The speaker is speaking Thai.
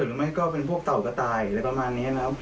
หรือไม่ก็เป็นพวกเต่ากระต่ายอะไรประมาณนี้นะครับ